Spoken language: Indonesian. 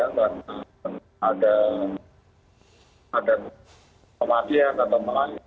karena ada kematian atau melayang